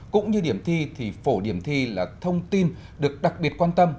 cũng như điểm thi thì phổ điểm thi là thông tin được đặc biệt quan tâm